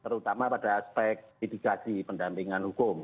terutama pada aspek mitigasi pendampingan hukum